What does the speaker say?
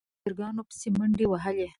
ماشومانو چرګانو پسې منډې وهلې.